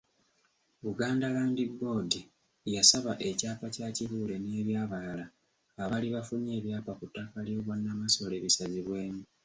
Buganda Land Board yasaba ekyapa kya Kibuule n’ebyabalala abaali bafunye ebyapa ku ttaka ly’obwannamasole bisazibwemu.